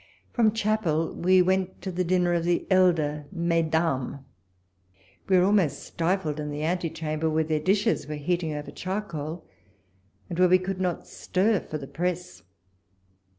From chapel we went to the dinner of the elder Mesdames. We were almost stifled in the ante chamber, where their dishes were heating over charcoal, and where we could not stir for the press.